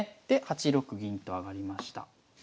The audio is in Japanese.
で８六銀と上がりました。